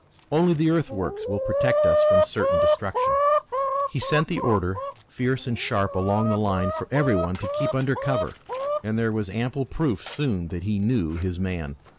Only the earthworks will protect us from certain destruction." He sent the order, fierce and sharp, along the line, for every one to keep under cover, and there was ample proof soon that he knew his man.